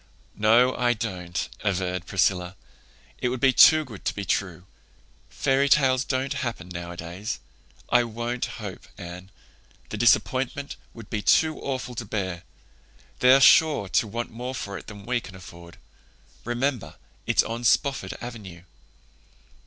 "No, I don't," averred Priscilla. "It would be too good to be true. Fairy tales don't happen nowadays. I won't hope, Anne. The disappointment would be too awful to bear. They're sure to want more for it than we can afford. Remember, it's on Spofford Avenue."